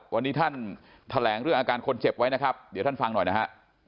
วันนี้ท่านแถลงเรื่องอาการคนเจ็บไว้นะครับเดี๋ยวท่านฟังหน่อยนะฮะ